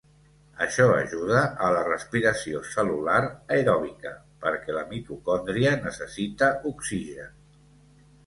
Això ajuda a la respiració cel·lular aeròbica perquè la mitocòndria necessita oxigen.